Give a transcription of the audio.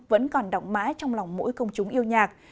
vẫn còn động mãi trong lòng mỗi công chúng yêu nhạc